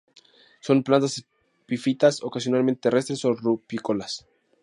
Son plantas epífitas, ocasionalmente terrestres o rupícolas.